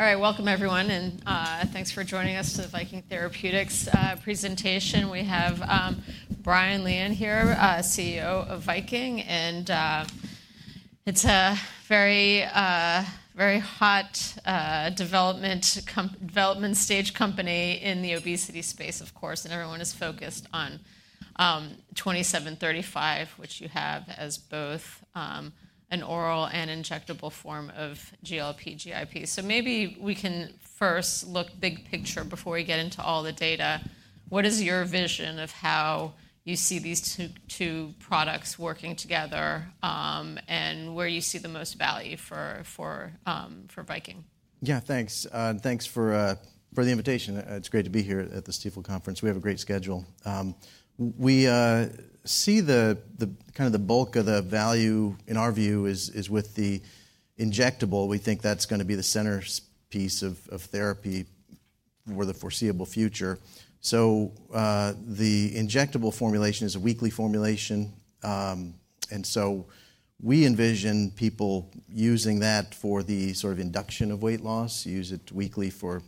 All right, welcome everyone, and thanks for joining us to the Viking Therapeutics presentation we have Brian Lian here, CEO of Viking, and it's a very hot development stage company in the obesity space, of course, and everyone is focused on 2735, which you have as both an oral and injectable form of GLP-1/GIP so maybe we can first look big picture before we get into all the data. What is your vision of how you see these two products working together, and where you see the most value for Viking? Yeah, thanks. Thanks for the invitation it's great to be here at the Stifel Conference we have a great schedule. We see the kind of the bulk of the value, in our view, is with the injectable we think that's going to be the centerpiece of therapy for the foreseeable future, so the injectable formulation is a weekly formulation, and so we envision people using that for the sort of induction of weight loss. Use it weekly for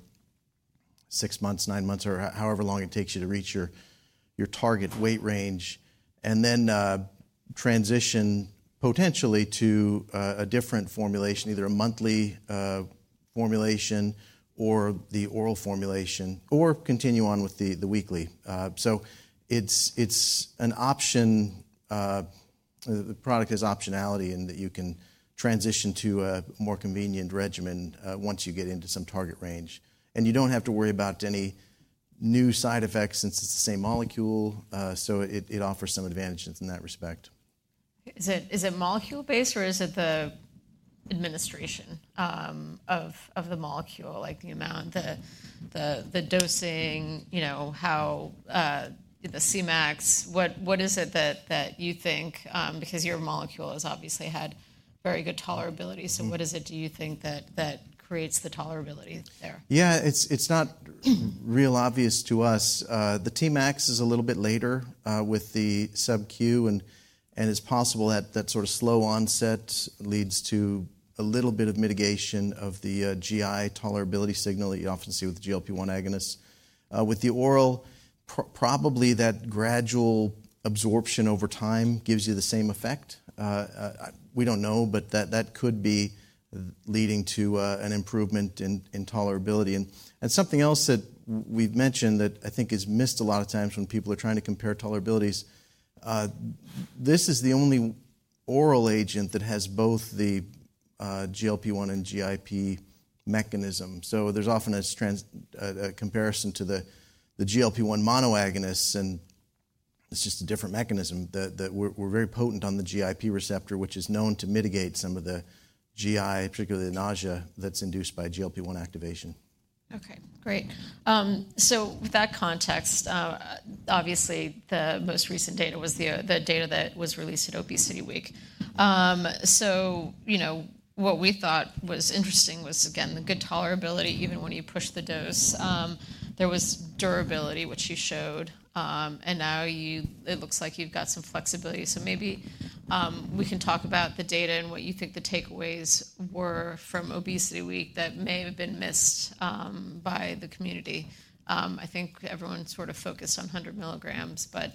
six months, nine months, or however long it takes you to reach your target weight range. And then transition potentially to a different formulation, either a monthly formulation or the oral formulation, or continue on with the weekly, so it's an option. The product has optionality in that you can transition to a more convenient regimen once you get into some target range. You don't have to worry about any new side effects since it's the same molecule, so it offers some advantages in that respect. Is it molecule-based? or is it the administration of the molecule, like the amount, the dosing, how the Cmax? What is it that you think, because your molecule has obviously had very good tolerability, so what is it, do you think, that creates the tolerability there? Yeah, it's not real obvious to us. The Tmax is a little bit later with the SubQ, and it's possible that that sort of slow onset leads to a little bit of mitigation of the GI tolerability signal that you often see with the GLP-1 agonist. With the oral, probably that gradual absorption over time gives you the same effect. We don't know, but that could be leading to an improvement in tolerability. And something else that we've mentioned that I think is missed a lot of times when people are trying to compare tolerabilities, this is the only oral agent that has both the GLP-1 and GIP mechanism so there's often a comparison to the GLP-1 monoagonists, and it's just a different mechanism that we're very potent on the GIP receptor, which is known to mitigate some of the GI, particularly the nausea that's induced by GLP-1 activation. Okay, great. So with that context, obviously the most recent data was the data that was released at ObesityWeek. So what we thought was interesting was, again, the good tolerability, even when you push the dose. There was durability, which you showed, and now it looks like you've got some flexibility so maybe we can talk about the data and what you think the takeaways were from ObesityWeek that may have been missed by the community. I think everyone sort of focused on 100 mg, but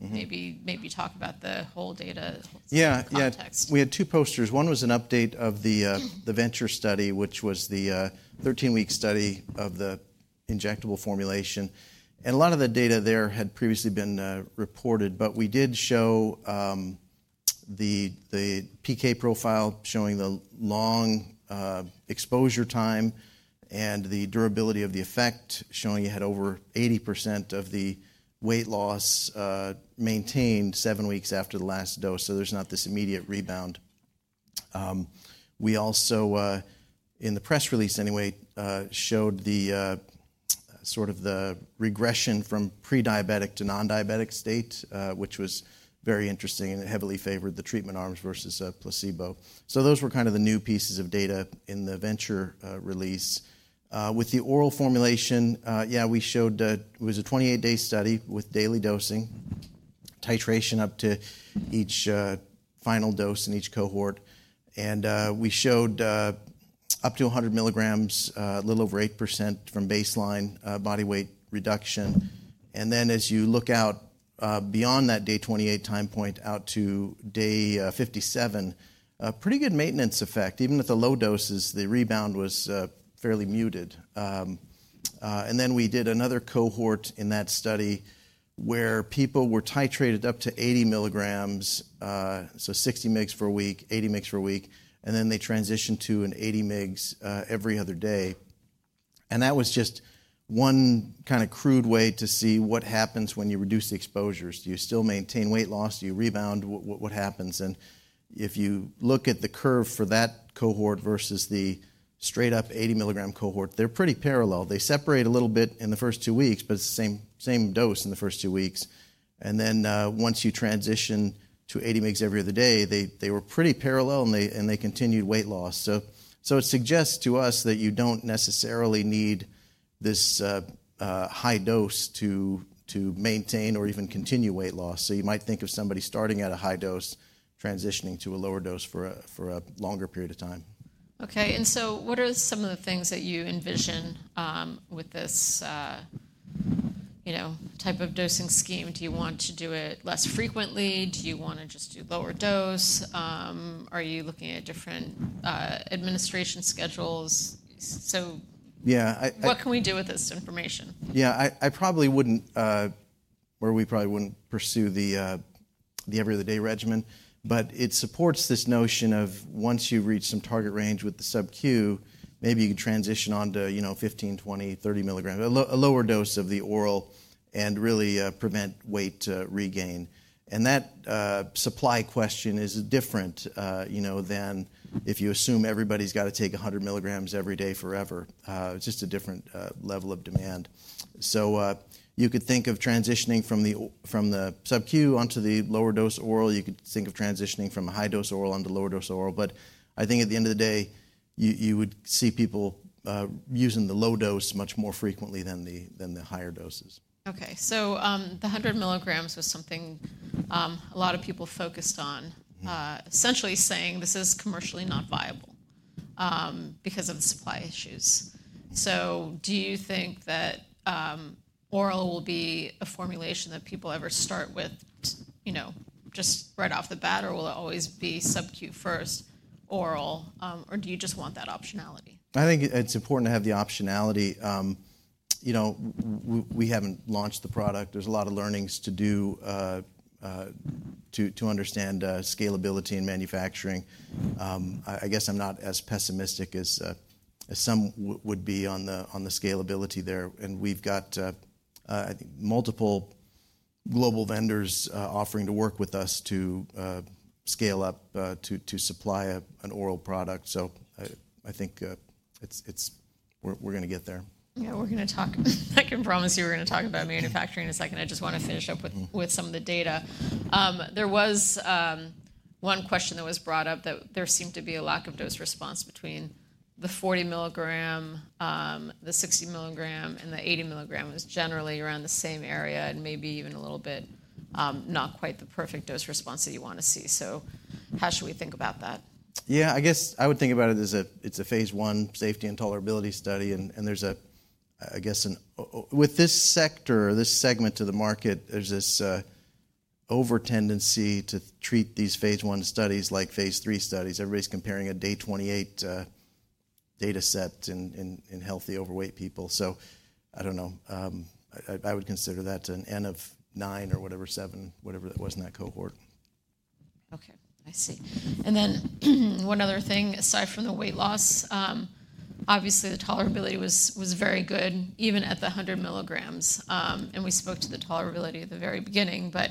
maybe talk about the whole data context. Yeah, we had two posters one was an update of the VENTURE study, which was the 13-week study of the injectable formulation, and a lot of the data there had previously been reported, but we did show the PK profile showing the long exposure time. And the durability of the effect, showing you had over 80% of the weight loss maintained seven weeks after the last dose, so there's not this immediate rebound. We also, in the press release anyway, showed sort of the regression from prediabetic to non-diabetic state, which was very interesting and heavily favored the treatment arms versus placebo, so those were kind of the new pieces of data in the VENTURE release. With the oral formulation, yeah, we showed it was a 28-day study with daily dosing, titration up to each final dose in each cohort, and we showed up to 100 mg, a little over 8% from baseline body weight reduction. And then as you look out beyond that day 28 time point out to day 57, pretty good maintenance effect even with the low doses, the rebound was fairly muted. And then we did another cohort in that study where people were titrated up to 80 mg, so 60 mg for a week, 80 mg for a week, and then they transitioned to an 80 mg every other day. And that was just one kind of crude way to see what happens when you reduce the exposures do you still maintain weight loss? Do you rebound? What happens? And if you look at the curve for that cohort versus the straight-up 80 mg cohort, they're pretty parallel they separate a little bit in the first two weeks, but it's the same dose in the first two weeks. And then once you transition to 80 mgs every other day, they were pretty parallel and they continued weight loss. So it suggests to us that you don't necessarily need this high dose to maintain or even continue weight loss so you might think of somebody starting at a high dose, transitioning to a lower dose for a longer period of time. Okay, and so what are some of the things that you envision with this type of dosing scheme? Do you want to do it less frequently? Do you want to just do lower dose? Are you looking at different administration schedules? So what can we do with this information? Yeah, I probably wouldn't, or we probably wouldn't pursue the every other day regimen, but it supports this notion of once you reach some target range with the subQ, maybe you can transition on to 15, 20, 30 mg, a lower dose of the oral, and really prevent weight regain. And that supply question is different than if you assume everybody's got to take 100 mg every day forever. It's just a different level of demand. So you could think of transitioning from the subQ onto the lower dose oral you could think of transitioning from a high dose oral onto lower dose oral, but I think at the end of the day, you would see people using the low dose much more frequently than the higher doses. Okay, so the 100 mg was something a lot of people focused on, essentially saying this is commercially not viable because of the supply issues. So do you think that oral will be a formulation that people ever start with just right off the bat, or will it always be subQ first, oral, or do you just want that optionality? I think it's important to have the optionality. We haven't launched the product there's a lot of learnings to do to understand scalability and manufacturing. I guess I'm not as pessimistic as some would be on the scalability there, and we've got multiple global vendors offering to work with us to scale up, to supply an oral product, so I think we're going to get there. Yeah, we're going to talk i can promise you we're going to talk about manufacturing in a second i just want to finish up with some of the data. There was one question that was brought up that there seemed to be a lack of dose response between the 40 mg, the 60 mg, and the 80 mg it was generally around the same area and maybe even a little bit not quite the perfect dose response that you want to see. So how should we think about that? Yeah, I guess I would think about it as it's a phase 1 safety and tolerability study, and there's a, I guess, with this sector, this segment of the market, there's this overtendency to treat these phase 1 studies like phase 3 studies everybody's comparing a day 28 data set in healthy overweight people. So I don't know, I would consider that an N of nine or whatever, seven, whatever that was in that cohort. Okay, I see. And then one other thing aside from the weight loss, obviously the tolerability was very good even at the 100 mg, and we spoke to the tolerability at the very beginning, but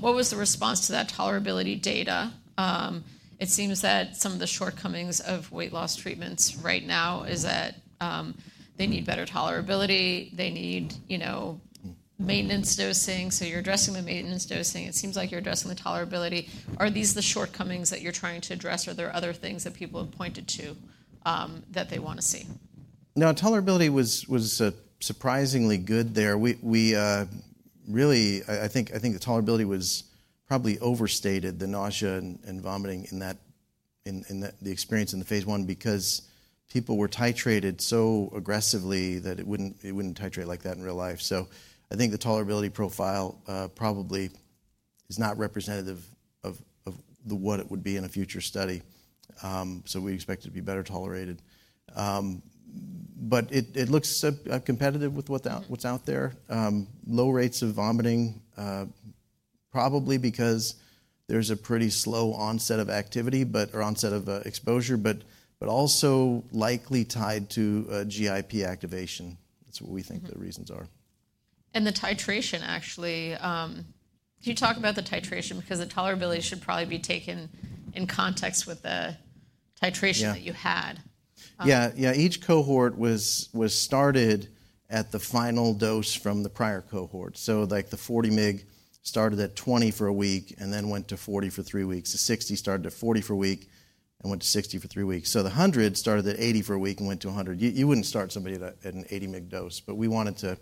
what was the response to that tolerability data? It seems that some of the shortcomings of weight loss treatments right now is that they need better tolerability, they need maintenance dosing, so you're addressing the maintenance dosing it seems like you're addressing the tolerability. Are these the shortcomings that you're trying to address, or are there other things that people have pointed to that they want to see? No, tolerability was surprisingly good there. Really, I think the tolerability was probably overstated, the nausea and vomiting in the experience in the phase 1 because people were titrated so aggressively that it wouldn't titrate like that in real life. So I think the tolerability profile probably is not representative of what it would be in a future study, so we expect it to be better tolerated. But it looks competitive with what's out there. Low rates of vomiting, probably because there's a pretty slow onset of activity or onset of exposure, but also likely tied to GIP activation. That's what we think the reasons are. The titration actually, can you talk about the titration? Because the tolerability should probably be taken in context with the titration that you had. Yeah, yeah, each cohort was started at the final dose from the prior cohort so like the 40 mg started at 20 for a week and then went to 40 for three weeks the 60 started at 40 for a week and went to 60 for three weeks so the 100 started at 80 for a week and went to 100 you wouldn't start somebody at an 80 mg dose, but we wanted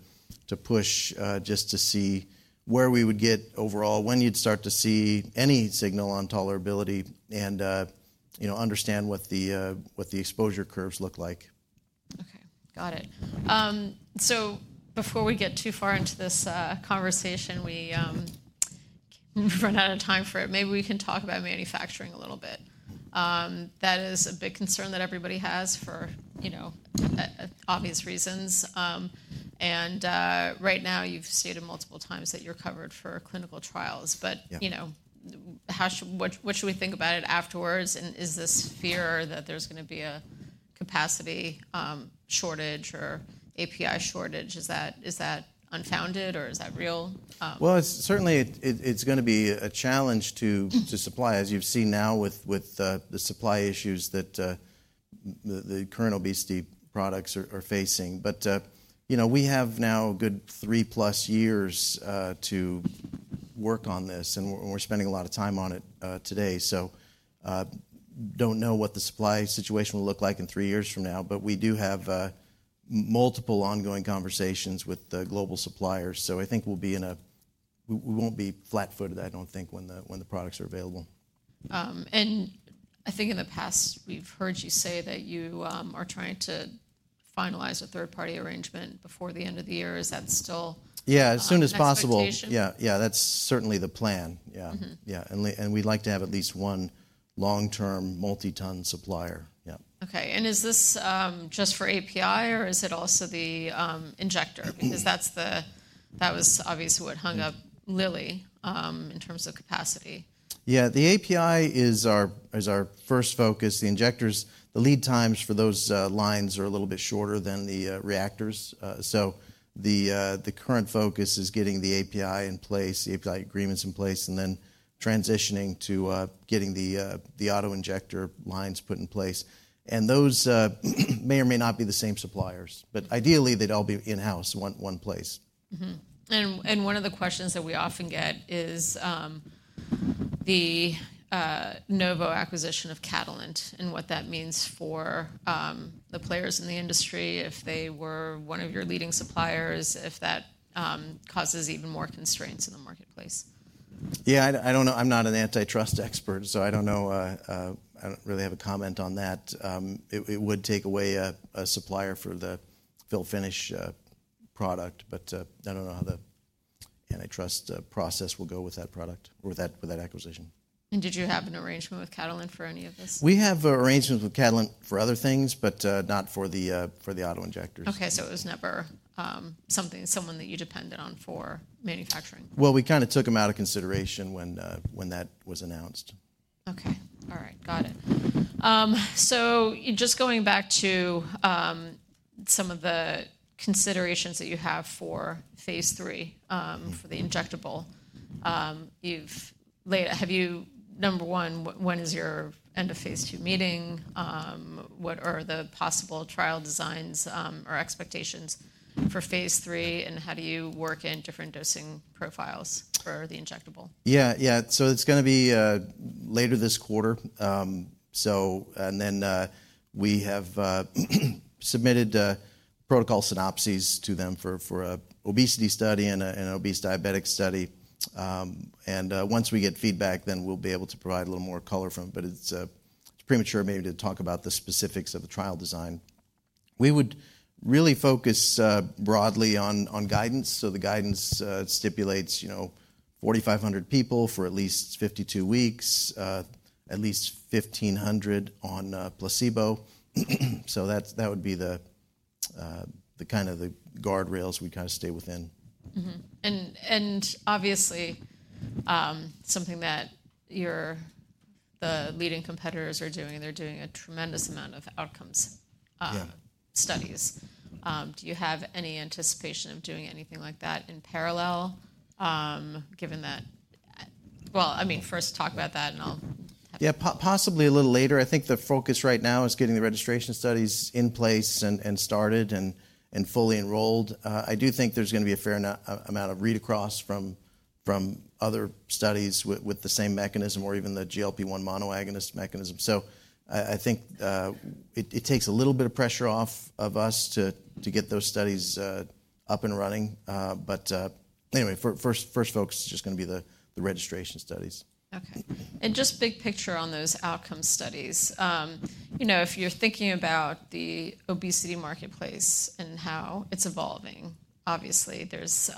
to push just to see where we would get overall, when you'd start to see any signal on tolerability, and understand what the exposure curves look like. Okay, got it. So before we get too far into this conversation, we run out of time for it, maybe we can talk about manufacturing a little bit. That is a big concern that everybody has for obvious reasons. And right now you've stated multiple times that you're covered for clinical trials, but what should we think about it afterwards? And is this fear that there's going to be a capacity shortage or API shortage, is that unfounded or is that real? Certainly it's going to be a challenge to supply, as you've seen now with the supply issues that the current obesity products are facing. We have now a good three plus years to work on this, and we're spending a lot of time on it today. Don't know what the supply situation will look like in three years from now, but we do have multiple ongoing conversations with the global suppliers. I think we'll be in a, we won't be flat-footed, I don't think, when the products are available. I think in the past we've heard you say that you are trying to finalize a third-party arrangement before the end of the year. Is that still the plan? Yeah, as soon as possible. Yeah, that's certainly the plan. And we'd like to have at least one long-term multi-ton supplier. Okay, and is this just for API or is it also the injector? Because that was obviously what hung up Lilly in terms of capacity. Yeah, the API is our first focus the injectors, the lead times for those lines are a little bit shorter than the reactors, so the current focus is getting the API in place, the API agreements in place, and then transitioning to getting the autoinjector lines put in place, and those may or may not be the same suppliers, but ideally they'd all be in-house, one place. One of the questions that we often get is the Novo acquisition of Catalent and what that means for the players in the industry if they were one of your leading suppliers, if that causes even more constraints in the marketplace. Yeah, I don't know, I'm not an antitrust expert, so I don't know, I don't really have a comment on that. It would take away a supplier for the fill-finish product, but I don't know how the antitrust process will go with that product or with that acquisition. Did you have an arrangement with Catalent for any of this? We have arrangements with Catalent for other things, but not for the autoinjectors. Okay, so it was never something, someone that you depended on for manufacturing. We kind of took them out of consideration when that was announced. Okay, all right, got it. So just going back to some of the considerations that you have for phase three for the injectable, you've laid out, have you, number one, when is your end of phase two meeting? What are the possible trial designs or expectations for phase three? And how do you work in different dosing profiles for the injectable? Yeah, yeah, so it's going to be later this quarter, and then we have submitted protocol synopses to them for an obesity study and an obese diabetic study, and once we get feedback, then we'll be able to provide a little more color from it, but it's premature maybe to talk about the specifics of the trial design. We would really focus broadly on guidance, so the guidance stipulates 4,500 people for at least 52 weeks, at least 1,500 on placebo, so that would be the kind of the guardrails we kind of stay within. Obviously something that the leading competitors are doing they're doing a tremendous amount of outcomes studies. Do you have any anticipation of doing anything like that in parallel? given that? Well, I mean, first talk about that and I'll. Yeah, possibly a little later. I think the focus right now is getting the registration studies in place and started and fully enrolled. I do think there's going to be a fair amount of read-across from other studies with the same mechanism or even the GLP-1 monoagonist mechanism, so I think it takes a little bit of pressure off of us to get those studies up and running, but anyway, first focus is just going to be the registration studies. Okay, and just big picture on those outcome studies. If you're thinking about the obesity marketplace and how it's evolving, obviously there's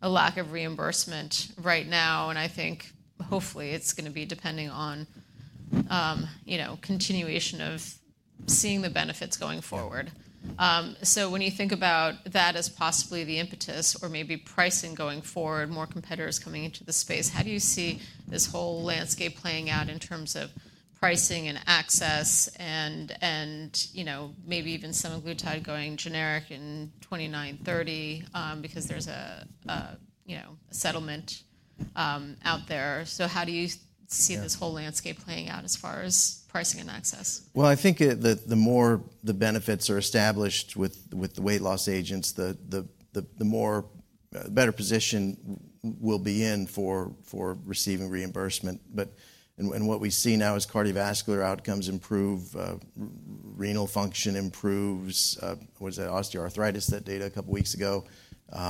a lack of reimbursement right now, and I think hopefully it's going to be depending on continuation of seeing the benefits going forward. So when you think about that as possibly the impetus or maybe pricing going forward, more competitors coming into the space, how do you see? this whole landscape playing out in terms of pricing and access and maybe even some semaglutide going generic in 2029, 2030 because there's a settlement out there so how do you see this whole landscape playing out as far as pricing and access? I think the more the benefits are established with the weight loss agents, the better position we'll be in for receiving reimbursement. What we see now is cardiovascular outcomes improve, renal function improves. What was that, osteoarthritis that data a couple of weeks ago.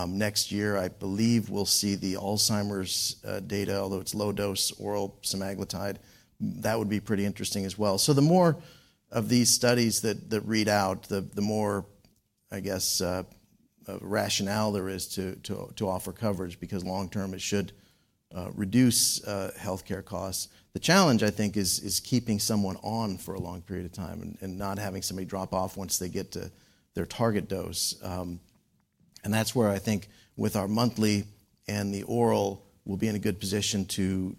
Next year, I believe we'll see the Alzheimer's data, although it's low dose oral semaglutide. That would be pretty interesting as well. The more of these studies that read out, the more, I guess, rationale there is to offer coverage because long term it should reduce healthcare costs. The challenge I think is keeping someone on for a long period of time and not having somebody drop off once they get to their target dose. That's where I think with our monthly and the oral, we'll be in a good position to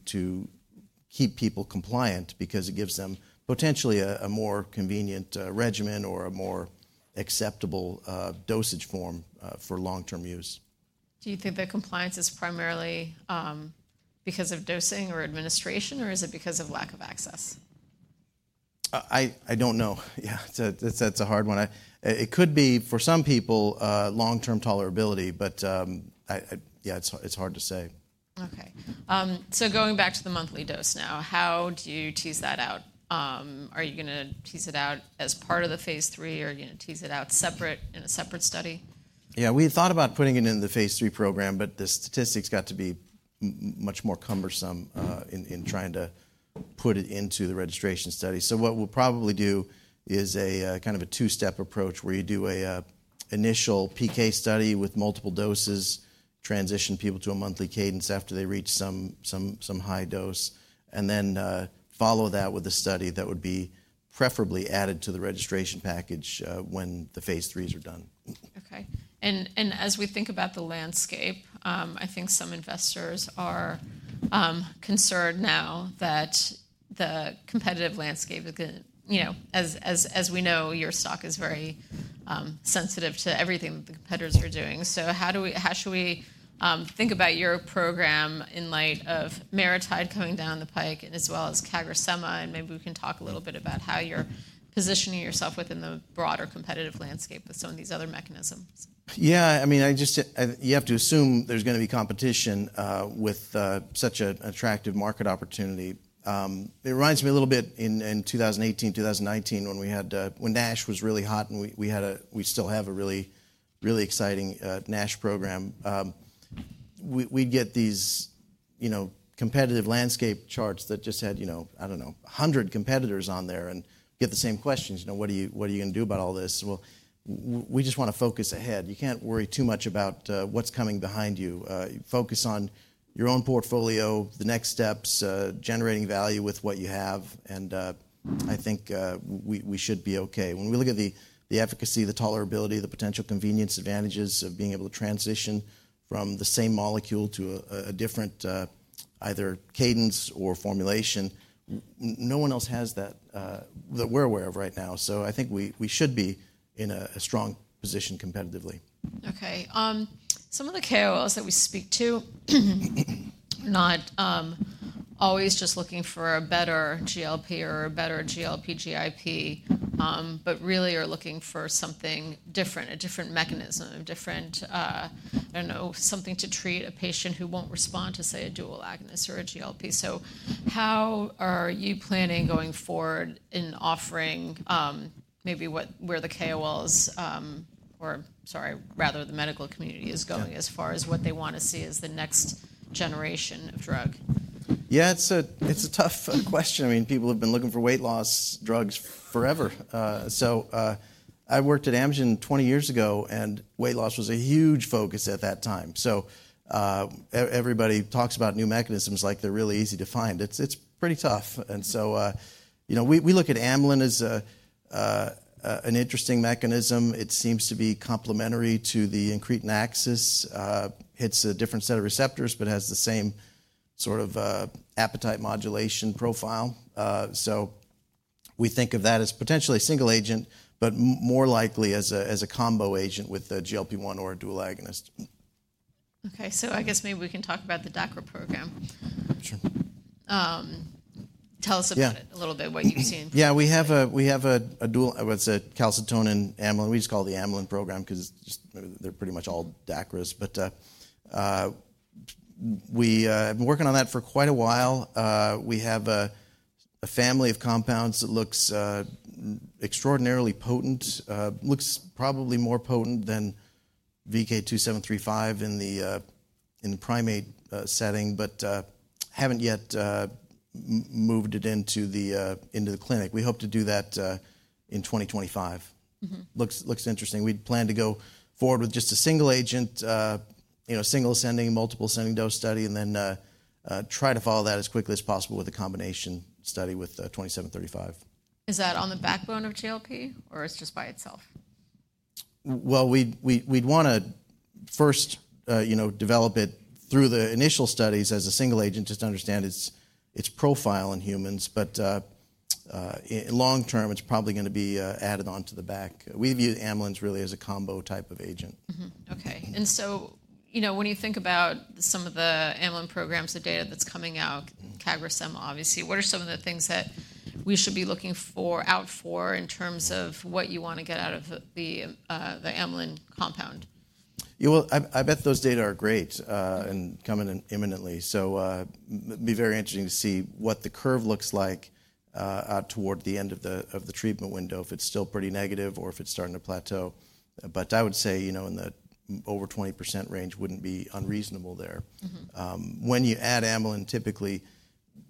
keep people compliant because it gives them potentially a more convenient regimen or a more acceptable dosage form for long-term use. Do you think the compliance is primarily because of dosing or administration, or is it because of lack of access? I don't know. Yeah, that's a hard one. It could be for some people, long-term tolerability, but yeah, it's hard to say. Okay, so going back to the monthly dose now, how do you tease that out? Are you going to tease it out as part of the phase 3 or are you going to tease it out separate in a separate study? Yeah, we thought about putting it in the phase three program, but the statistics got to be much more cumbersome in trying to put it into the registration study so what we'll probably do is a kind of a two-step approach where you do an initial PK study with multiple doses, transition people to a monthly cadence after they reach some high dose, and then follow that with a study that would be preferably added to the registration package when the phase threes are done. Okay, and as we think about the landscape, I think some investors are concerned now that the competitive landscape is going to, as we know, your stock is very sensitive to everything that the competitors are doing. So how should we think about your program in light of MariTide coming down the pike and as well as CagriSema? And maybe we can talk a little bit about how you're positioning yourself within the broader competitive landscape with some of these other mechanisms. Yeah, I mean, you have to assume there's going to be competition with such an attractive market opportunity. It reminds me a little bit in 2018, 2019 when NASH was really hot and we still have a really, really exciting NASH program. We'd get these competitive landscape charts that just had, I don't know, a hundred competitors on there. And get the same questions what are you going to do about all this? Well, we just want to focus ahead. You can't worry too much about what's coming behind you. Focus on your own portfolio, the next steps, generating value with what you have. I think we should be okay when we look at the efficacy, the tolerability, the potential convenience advantages of being able to transition from the same molecule to a different either cadence or formulation, no one else has that that we're aware of right now so I think we should be in a strong position competitively. Okay, some of the KOLs that we speak to are not always just looking for a better GLP or a better GLP GIP, but really are looking for something different, a different mechanism, different, I don't know, something to treat a patient who won't respond to say a dual agonist or a GLP. So how are you planning going forward in offering maybe where the KOLs or, sorry, rather the medical community is going as far as what they want to see as the next generation of drug? Yeah, it's a tough question i mean, people have been looking for weight loss drugs forever. So I worked at Amgen 20 years ago and weight loss was a huge focus at that time. So everybody talks about new mechanisms like they're really easy to find it's pretty tough. And so we look at amylin as an interesting mechanism. It seems to be complementary to the incretin axis, hits a different set of receptors, but has the same sort of appetite modulation profile. So we think of that as potentially a single agent, but more likely as a combo agent with a GLP-1 or a dual agonist. Okay, so I guess maybe we can talk about the DACRA program. Sure. Tell us about it a little bit, what you've seen? Yeah, we have a, what's it, calcitonin amylin we just call it the amylin program because they're pretty much all DACRAs. But we have been working on that for quite a while. We have a family of compounds that looks extraordinarily potent, looks probably more potent than VK2735 in the primate setting, but haven't yet moved it into the clinic we hope to do that in 2025. Looks interesting we'd plan to go forward with just a single agent, single ascending, multiple ascending dose study, and then try to follow that as quickly as possible with a combination study with 2735. Is that on the backbone of GLP or it's just by itself? We'd want to first develop it through the initial studies as a single agent just to understand its profile in humans. But long term, it's probably going to be added onto the back we view Amylin's really as a combo type of agent. Okay, and so when you think about some of the Amylin programs, the data that's coming out, CagriSema obviously, what are some of the things that we should be looking out for in terms of what you want to get out of the Amylin compound? I bet those data are great and coming in imminently. It'd be very interesting to see what the curve looks like toward the end of the treatment window, if it's still pretty negative or if it's starting to plateau. I would say in the over 20% range wouldn't be unreasonable there. When you add Amylin, typically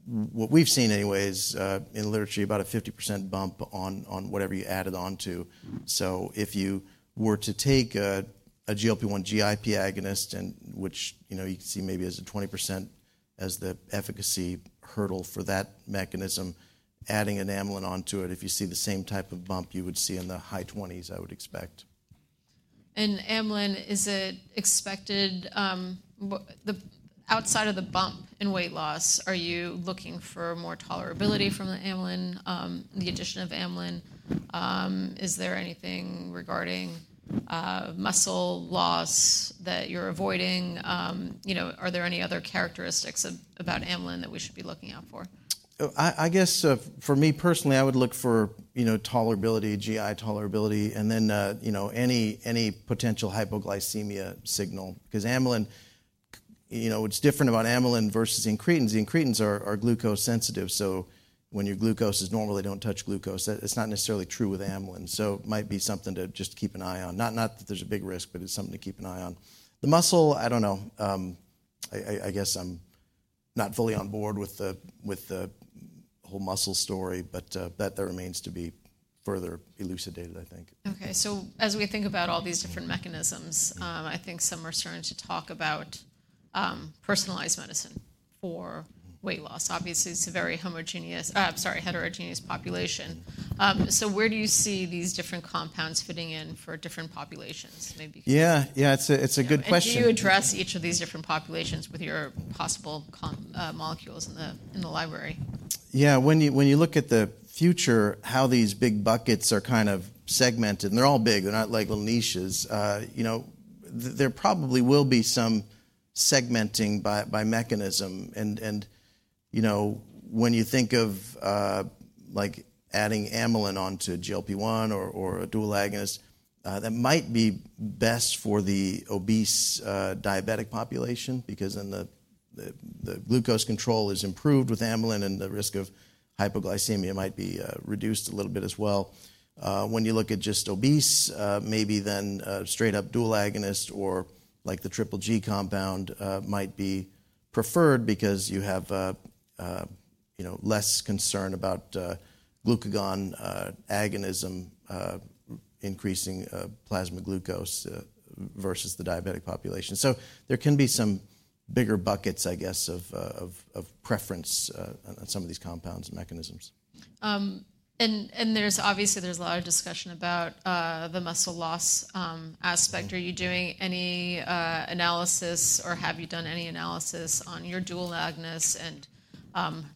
what we've seen anyways in literature, you've got a 50% bump on whatever you add it onto. If you were to take a GLP-1 GIP agonist, which you can see maybe as a 20% as the efficacy hurdle for that mechanism, adding an Amylin onto it, if you see the same type of bump you would see in the high 20s%, I would expect. Amylin, is it expected outside of the bump in weight loss? Are you? looking for more tolerability from the Amylin, the addition of Amylin? Is there anything regarding muscle loss that you're avoiding? Are there any other characteristics about Amylin that we should be looking out for? I guess for me personally, I would look for tolerability, GI tolerability, and then any potential hypoglycemia signal because Amylin, what's different about Amylin versus incretins, incretins are glucose sensitive. So when your glucose is normal, they don't touch glucose that's not necessarily true with Amylin. So it might be something to just keep an eye on not that there's a big risk, but it's something to keep an eye on. The muscle, I don't know. I guess I'm not fully on board with the whole muscle story, but that remains to be further elucidated, I think. Okay, so as we think about all these different mechanisms, I think some are starting to talk about personalized medicine for weight loss obviously, it's a very homogeneous, sorry, heterogeneous population. So where do you see these different compounds fitting in for different populations? Yeah, yeah, it's a good question. How do you address each of these different populations with your possible molecules in the library? Yeah, when you look at the future, how these big buckets are kind of segmented, and they're all big, they're not like little niches, there probably will be some segmenting by mechanism. And when you think of adding Amylin onto GLP-1 or a dual agonist, that might be best for the obese diabetic population because then the glucose control is improved with Amylin and the risk of hypoglycemia might be reduced a little bit as well. When you look at just obese, maybe then straight up dual agonist or like the Triple G compound might be preferred because you have less concern about glucagon agonism increasing plasma glucose versus the diabetic population. So there can be some bigger buckets, I guess, of preference on some of these compounds and mechanisms. Obviously, there's a lot of discussion about the muscle loss aspect are you? doing any analysis or have you done any analysis on your dual agonist and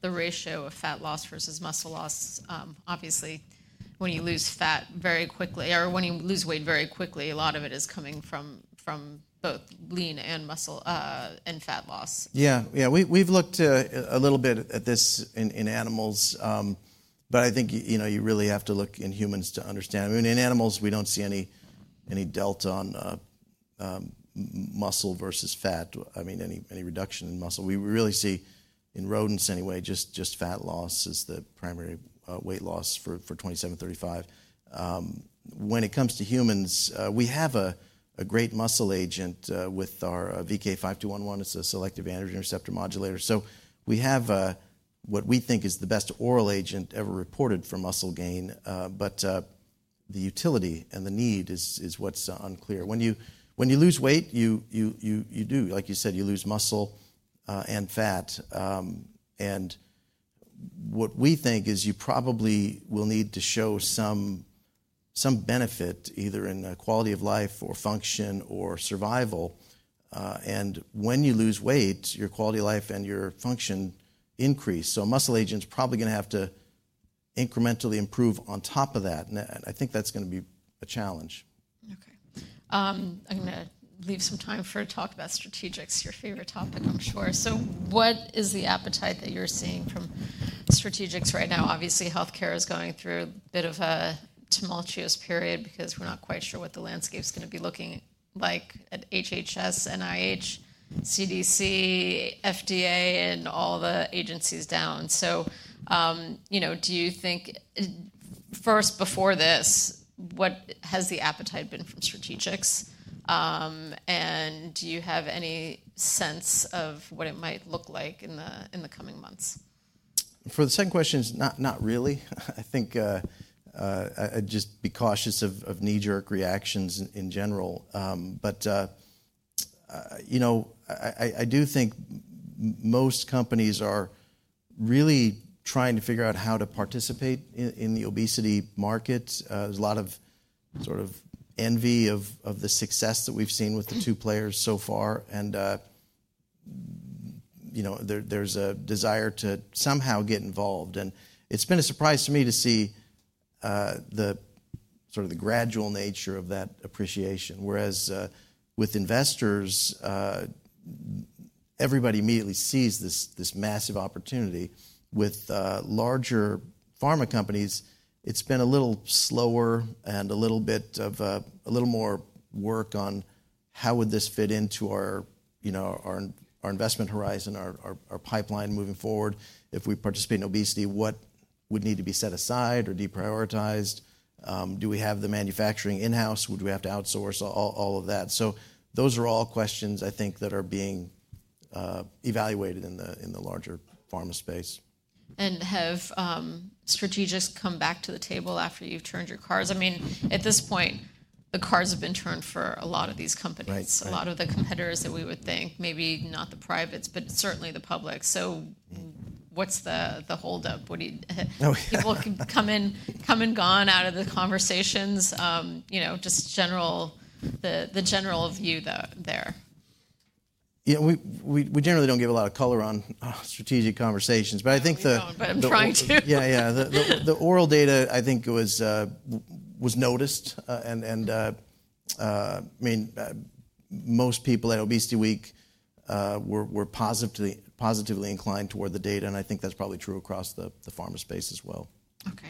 the ratio of fat loss versus muscle loss? Obviously, when you lose fat very quickly or when you lose weight very quickly, a lot of it is coming from both lean and fat loss. Yeah, yeah, we've looked a little bit at this in animals, but I think you really have to look in humans to understand i mean, in animals, we don't see any delta on muscle versus fat. I mean, any reduction in muscle we really see in rodents anyway, just fat loss is the primary weight loss for VK2735. When it comes to humans, we have a great muscle agent with our VK5211 it's a selective androgen receptor modulator. So we have what we think is the best oral agent ever reported for muscle gain, but the utility and the need is what's unclear when you lose weight, you do, like you said, you lose muscle and fat. And what we think is you probably will need to show some benefit either in quality of life or function or survival. When you lose weight, your quality of life and your function increase muscle agents are probably going to have to incrementally improve on top of that i think that's going to be a challenge. Okay, I'm going to leave some time for a talk about strategics, your favorite topic, I'm sure. So what is the appetite that you're seeing from strategics right now? Obviously, healthcare is going through a bit of a tumultuous period because we're not quite sure what the landscape's going to be looking like at HHS, NIH, CDC, FDA, and all the agencies down. So do you think first, before this, what has the appetite been from strategics? And do you have any sense of what it might look like in the coming months? For the same questions, not really. I think I'd just be cautious of knee-jerk reactions in general. But I do think most companies are really trying to figure out how to participate in the obesity market. There's a lot of sort of envy of the success that we've seen with the two players so far. And there's a desire to somehow get involved. And it's been a surprise to me to see the sort of gradual nature of that appreciation whereas with investors, everybody immediately sees this massive opportunity. With larger pharma companies, it's been a little slower and a little more work on how would this fit into our investment horizon, our pipeline moving forward. If we participate in obesity, what would need to be set aside or deprioritized? Do we have the manufacturing in-house? Would we have to outsource all of that? So those are all questions I think that are being evaluated in the larger pharma space. And have strategics come back to the table after you've turned your cards? I mean, at this point, the cards have been turned for a lot of these companies a lot of the competitors that we would think, maybe not the privates, but certainly the public. So what's the holdup? People come and gone out of the conversations, just the general view there. Yeah, we generally don't give a lot of color on strategic conversations, but I think the. But I'm trying to. Yeah, yeah the oral data, I think it was noticed. And I mean, most people at Obesity Week were positively inclined toward the data and I think that's probably true across the pharma space as well. Okay.